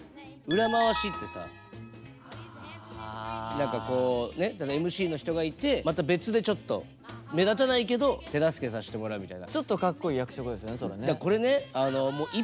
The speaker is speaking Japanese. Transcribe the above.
何かこうね例えばＭＣの人がいてまた別でちょっと目立たないけど手助けさしてもらうみたいな。